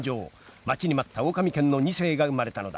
待ちに待ったオオカミ犬の２世が生まれたのだ。